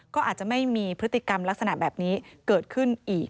ก็อาจจะไม่มีพฤติกรรมลักษณะแบบนี้เกิดขึ้นอีก